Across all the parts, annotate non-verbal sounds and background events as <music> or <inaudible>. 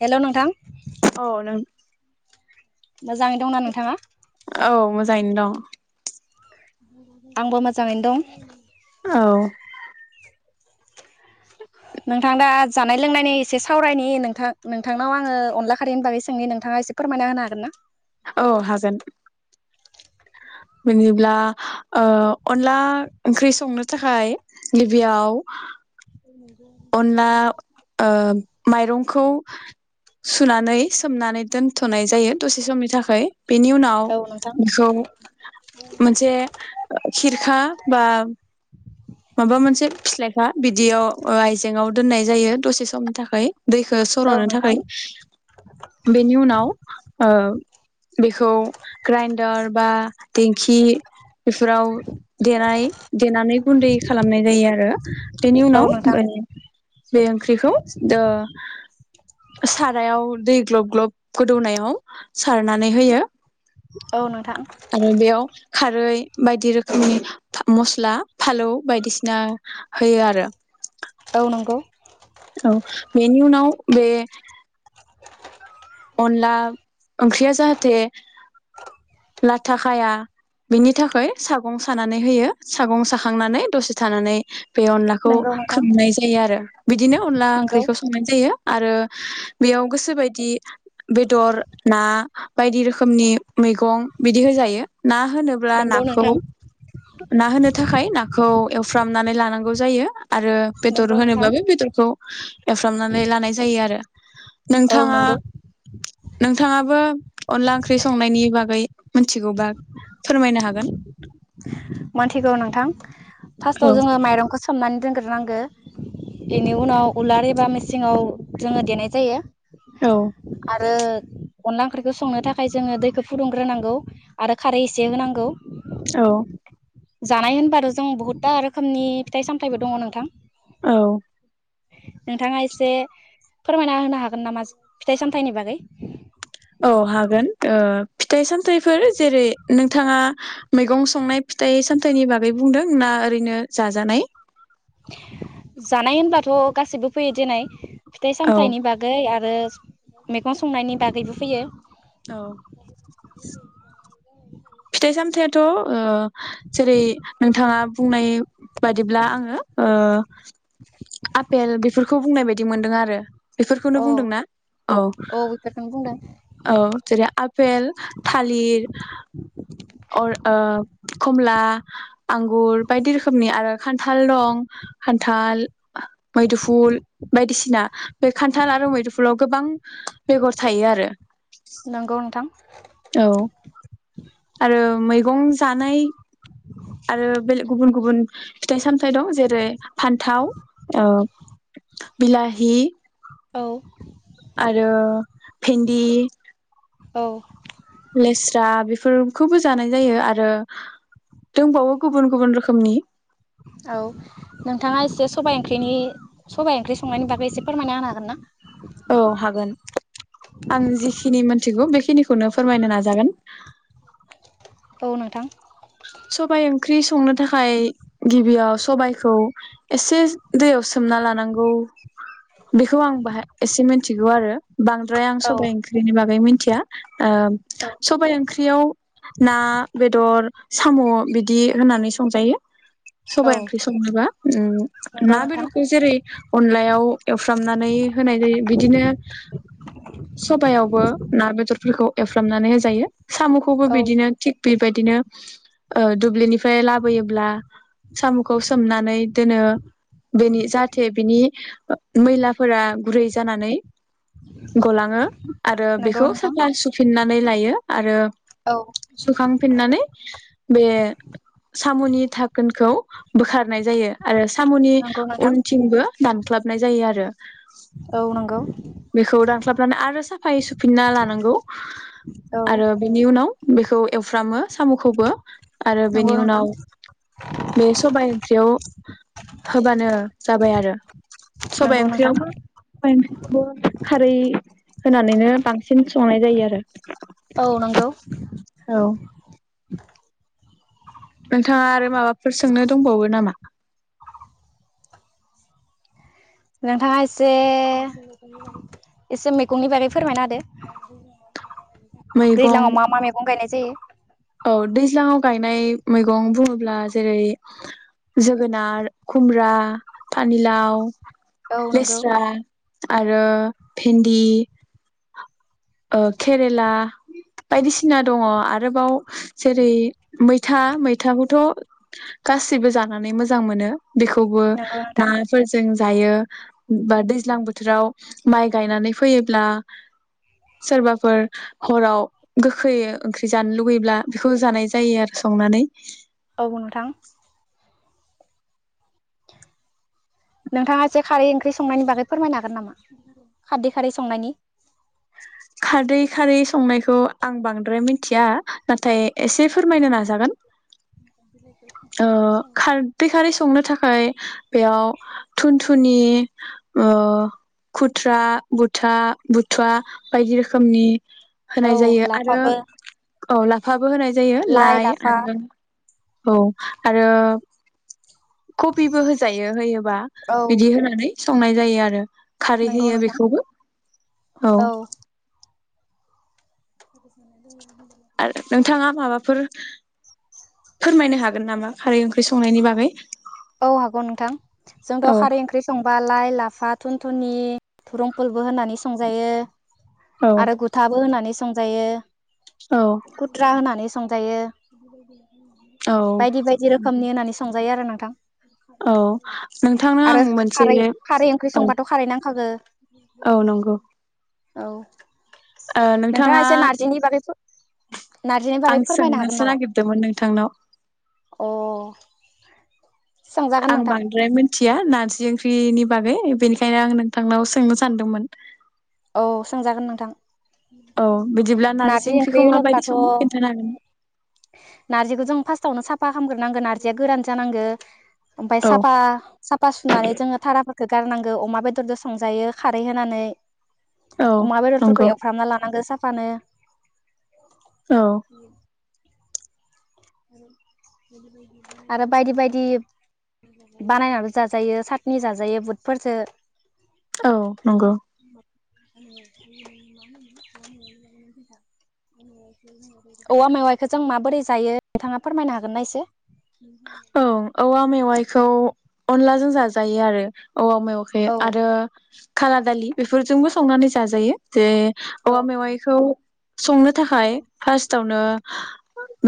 Hello नोंथां। औ नों मोजाङै दंना नोंथाङा। औ मोजाङैनो दं। आंबो मोजाङैनो दं। औ। नोंथां दा जानाय लोंनायनि एसे सावरायनि नोंथां नोंथांनाव आङो अनला खारिनि बागै सोंनि नोंथाङा एसे फोरमायना होनो हागोन ना। औ हागोन बिदिब्ला अनला ओंख्रि संनो थाखाय गिबियाव। अनना ओ। माइरंखौ सुनानै सोमनानै दोन। थ'नाय जायो दसे समनि थाखाय। बेनि उनाव औ नोंथां बेखौ मोनसे खिरखा बा। माबा मोनसे फिथ्लायखा बिदियाव। ओ आयजेंआव दोननाय जायो दसे समनि थाखाय। दैखौ औ सर'नो नोंथां थाखाय बेनि उनावओ। बेखौ ग्राइनडार बा दिेंखि। बेफोराव देनाय। देनानै गुन्दै खालामनाय जायो आरो बेनि औ उनाव। नोंथां बे ओंख्रिखौ ओ। सारायाव दै ग्लब ग्लब गोदौनायाव सारनानै होयो। औ नो। आरो बेयाव खारै। बायदि रोखोमनि मस्ला फालौ बायदिसिना होयो आरो। औ नंगौ। औ बेनि उनाव बे। अनला ओंख्रिया जाहाथे लाथाखाया बिनि थाखाय सागं सानानै होयो सागं साखांनानै दसे थानानै। बे अनलाखौ नंगौ नोंथां खोबनाय जायो आरो बिदिनो अनला नंगौ ओंख्रिखौ संनाय जायो। आरो बेयाव गोसोबायदि बेदर, ना बायदि रोखोमनि मैगं बिदि होजायो। ना होनोब्ला नंगौ नाखौ नोंथां ना होनो थाखाय नाखौ एवफ्रामनानै लानांगौ जायो। आरो नंगौ बेदर नोंथां होनोबाबो बेदरखौ एवफ्रामनानै लानाय जायो आरो। औ नोंथाङा नंगौ नोंथाङाबो अनला ओंख्रि संनायनि बागै मिथिगौबा। फोरमायनो हागोन। मोनथिगौ नोंथां। फार्स्टआव औ जोङो माइरंखौ सोमनानै दोनग्रोनांगो। बेनि उनाव उलार एबा मेसिङाव जोङो देनाय जायो। औ आरो अनला ओंख्रिखो संनो थाखाय जोङो दैखौ फुदुंग्रोनांगौ आरो खारै एस से होनांगौ। औ‌। जानाय होनबाथ' जों बुहुथथा रोखोमनि फिथाइ सामथायबो दङ नोंथां। औ। नोंथाङा एसे फोरमायना होनो हागोन नामा फिथाइ सामथाइनि बागै औ हागोन ओ फिथाइ सामथाइफोर जेरै नोंथाङा मैगं संनाय फिथाइ सामथाइनि बागै बुंदों ना ओरैनो जाजानाय? जानाय होनब्लाथ' गासैबो फैयो देनाय। फिथाइ औ सामथाइनि बागै आर रोस मैगं संनायनि बागैबो फैयो। औ। <inaudible> फिथाइ सामथाइयाथ' ओ जेरै नोंथाङा बुंनाय बादिब्ला आङो ओ आपेल बेफोरखौ बुंनाय बायदि मोनदों आरो। बेफोरखौनो अ बुंदोंना? औ बेफोरखौनो बुंदों औ जेरै आपेल, थालिर अर ओ कमला आंगुर बायदि रोखोमनि आरो खान्थाल दं खान्थाल मैदो फुल बायदिसि दिना बे खान्थाल आरो मैदुफुलाव गोबां बेगर थायो आरो। नंगौ नोंथां। औ‌ <inaudible> आरो मैगं जानाय आरो बेल गुबुन गुबुन फिथाइ साम थाइ दं जेरै फान्थाव ओ बिलाहि औ आरो भिन्दि औ लेस्रा बेफोरखौबो जानाय जायो आरो दंबावो गुबुन गुबुन रोखोमनि औ नोंथाङा एसे सबाइ ओंख्रिनि सबाइ ओंख्रि संनायनि बागै एसे फोरमायना होनो हागोन ना औ हागोन आं जिखिनि मोनथिगौ बेखिनिखौनो फोरमायनो नाजागोन औ नोंथां सबाय ओंख्रि संनो थाखाय गिबियाव सबाइखौ एसे दैयाव सोमना लानांगौ बेखौ आं बाहाय एसे मिथिगौ आरो बांद्राय आं औ सबाइ ओंख्रिनि बागै मिथिया ओ औ सबाइ ओंख्रियाव ना बेदर साम' बिदि होनानै संजायो औ सबाइ ओंख्रि संनोबा ओम नंगौ ना नोंथां बेदरखौ जेरै अनलायाव एवफ्रामनानै होनाय जायो बिदिनो सबयावबो ना बेदरफोरखौ एवफ्रामनानै होजायो साम'खौबो औ बिदिनो थिक बेबायदिनो ओ दुब्लिनि ओमफ्राय लाबोयोब्ला साम'खौ सोमनानै दोनो बिनि जाहाथे बिनि मैलाफोरा गुरै जानानै गलाङो आरो नंगौ बेखौ नोंथां साफा सुफिननानै लायो आरो औ सुखांफिननानै बे साम'नि थाखोनखौ बोखारनाय जायो आरो साम'नि नंगौ नोंथां उनथिंबो दानख्लाबनाय ज नाय आरो औ नंगौ बेखौ रानस्लाबनानै आरो साफायै सुफिनना लानांगौ औ आरो बेनि उनाव बेखौ एवफ्रामो साम'खौबो आरो बेनि नंगौ नोंथां उनाव बे सबाय ओंख्रियाव होबानो जाबाय आरो सबाइ नंगौ नोंथां ओंख्रियावबो सबा बो खारै होनानैनो बांसिन संनाय जायो आरो औ नंगौ औ नोंथाङा आरो माबाफोर सोंनो दंबावो नामा नोंथाङा एसे एसे मैगंनि बारै फोरमायना होदो मैगं दैज्लाङाव मा मा मैगं गायनाय जायो औ दैज्लाङाव गायनाय मैगं बुङोब्ला जेरै जोगोनार खुमब्रा पानिलाव औ नंगौ लेस्रा आरो भिन्दि ओ केरेला बायदिसिना दङ आरोबाव जेरै मैथा मैथाखौथ' गासिबो जानानै मोजां मोनो बेखौबो नंगौ नोंथां नाफोरजों दायो बा दैज्लां बोथोराव माइ गायनानै फैयोब्ला सोरबाफोर हराव गोखै ओंख्रि जानो लुुबैब्ला बेखौ जानाय जायो आरो संनानै औ बुं नोंथां नोंथाङा एसे खारै ओंख्रि संनायनि बागै फोरमायनो हागोन नामा? खारदै खारै संनायनि खारदै खारै संनायखौ आं बांद्राय मिनथिया । नाथाय एसे फोरमायनो नाजागोन । ओ खार बे खारिस संनो थाखाय बेयाव थुनथ थुनि ओ खुथ्रा बुथा बुथुवा बायदि रोखोमनि औ होनाय जायो आरो लाफाबो औ ला बो होनाय जायो लाइ आरो औ आरो कबिबो होजायो होयोबा औ बिदि होनानै संनाय जायो आरो खारै नंगौ होयो नोंथां बेखौबो औ <unintelligible> आरो नोंथाङा माबाफोर फोरमायनो हागोन नामा? खारै ओंख्रि संनायनि बागै औ हागौ नोंथां जोंथ' औ खारै ओंख्रि संबा लाइ लाफा थुन थुनि थुरंपुल बो होनानै संजायो औ आरो गुथाबो होनानै सं संजायो औ खुथ्रा होनानै संजायो औ बायदि बायदि रोखोमनि होनानै सं जायो आरो नोंथां औ नोंथांनो आं आरो मोनसे खारै खारै ओंख्रि औ संबाथ' खारै औ नंगौ <inaudible> औ ओ नोंथाङा नोंथाङा एसे नारजिनि बागै फो नारजिनि आं बागै फोरमायनो हागोन सोंनोसो नामा? नागिरदोंमोन नोंथांनाव अ सोंजागोन आं नोंथां बांद्राय मिनथि थिया नारजि ओंख्रिनि बागै बेनिखायनो आं नोंथांनाव सोंनो सानदोंमोन। औ सोंजागोन नोंथां। औ बिदिब्ला नारजि ओंख्रिखौ ओंख्रि माबायदि होनोब्लाथ' सङो खिन्थानो हागोन नारजिखौ जों फार्स्ट फासावनो साफा खालामगोरनांगोन नारजिया गोरान जानांगो। ओमफाय औ साफा साफा सुनानै जोङो थाराखो गारनांगौ अमा बेदरजो संजायो खारै होनानै। औ अमा बेदरफोरखो नंगौ एवफ्रामना लानांगो साफ फानो। औ। आरो बायदि बायदि बानायनाबो जाजायो साटनि जाजायो बुथफोरजो। औ नंगौ। <inaudible> औवा मेवाइखो जों माबोरै जायो नोंथाङा फोरमायनो हागोनना एसे। <inaudible> खौ अनलाजों जाजायो आरो। औवा मेवाखे औ आरो खाला दालि बेफोरजोंबो संनानै जाजायो जे औ औवा मेवाइखौ संनो थाखाय फार्स्टावनो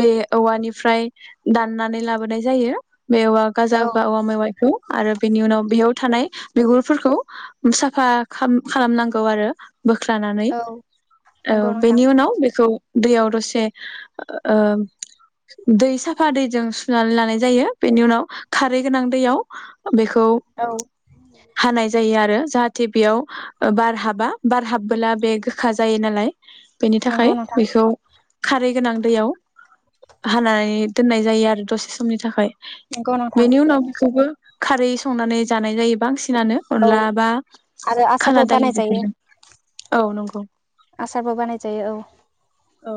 बे औवानिफ्राय दाननानै लाबो नाय जायो। बे औवा गाजा बा औवा मेवाइखौ। आरो बिनि उनाव बेयाव थानाय बिगुरफोरखौ साफा खाम खालामनांगौ आरो। बोख्लानानै औ नंगौ औ नोंथां बेनि उनाव बेखौ दैयाव दसे ओ दै साफा दैजों सु सुनानैलानाय जायो बेनि उनाव खारै गोनां दैयाव। बेखौ औ हानाय जायो आरो जाहा थे बेयाव ओ बार हाबा बार हाबबोला बे गोखा जायो नालाय। बेनि थाखाय नंगौ नोंथां बेखौ खारै गोनां दैयाव हानानै दोननाय जायो आरो। दसे समनि थाखाय। नंगौ नोंथां बेनि उनाव बेखौबो खारै संनानै जानाय जायो बांसि नानो औ अनला बा आरो आसारबो खाला दालि बानायजायो बेफोरजों औ नंगौ <unintelligible> आसारबो बानाय जायो औ। औ।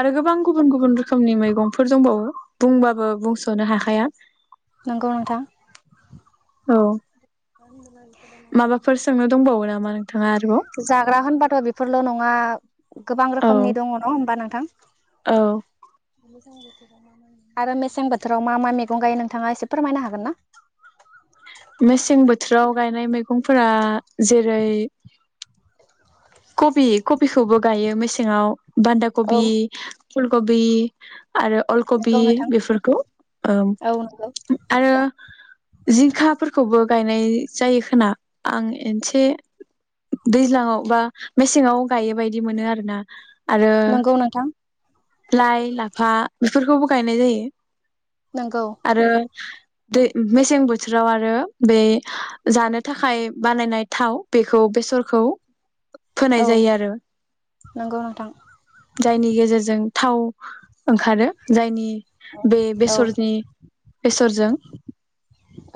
आरो गोबां गुबुन गुबुन रोखोमनि मैगंफोर दंबावो बुंबाबो बुंस'नो हाखाया। नंगौ नोंथा। औ <unintelligible> माबाफोर सोंनो दंबावो नाम? मा लों जाग्रा होनबाथ' बेफोरल' नङा गोबां औ रोखोमनि दङ न होमबा नों थां। औ मोजां आरो। आरो मेसें बोथोराव मा मा मैगं गायो नोंथाङा एसे फोरमायनो हागोन ना? मेसें बोथोराव गायनाय मैगंफोरा जेरै कबि कफिखौबो गायो मेसेङाव। बान्दा औ कबि फुल गबि आरो अल कबि नंगौ नोंथां बेफोरखौ ओम औ नंगौ आरो जिंखाफोरखौबो गायनाय जायो खोना आं एदसे दैज्लाङाव बा मेसेङाव गायो बायदि मोनो आरो ना। नंगौ नोंथां। लाइ, लाफा बेफोरखौबो गायनाय जायो। नोंगौ। आरो दै मेसें बोथोराव आरो बे जानो थाखाय बानायनाय थाव बेखौ बेसरखौ फोनाय औ जायो आरो नंगौ नोंथां <inaudible> जायनि गेजेरजों थाव ओंखारो जायनि बे औ बेसरनि बेसरजों <inaudible>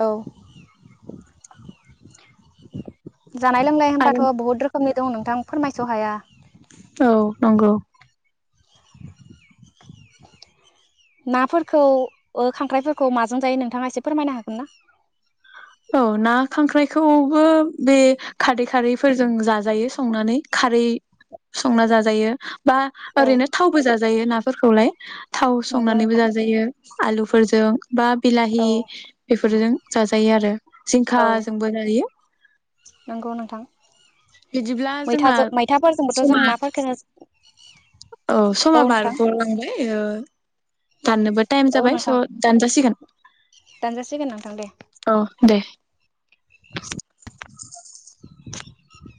औ जानाय लोंनाय होमबाथ' आरो बहुत रोखोमनि दं नोंथां फोरमायस' हाया। औ नंगौ। नाफोरखौ ओ खांख्राइफोरखौ माजों जायो नोंथाङा एसे फोरमायनो हागोन ना? औ ना खांख्राइखौबो बे खारै खारैफोरजों जाजायो संनानै खारै संना जाजायो। बा औ ओरैनो थावबो जाज जायो नाफोरखौलाय। थाव नंगौ संनानैबो नोंथां जाजायो। आलुफोरजों बा औ बिलाहि बे फोरजों जाजायो आरो। औ जिंखाजोंबो जायो नंगौ नोंथां बिदिब्ला जोंना मैथाजों मैथाफोरजोंबोथ' जों समा नाफोरखौनो औ समा बारग'लांबाय। एयो दाननोबो टाइम औ जाबाय नोंथां स दानजासिगोन। दानजासिगोन नोंथां दे। औ <inaudible> <inaudible>